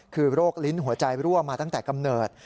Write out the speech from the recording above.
คือโรคลิ้นหัวใจรั่วมาตั้งแต่กำเนิด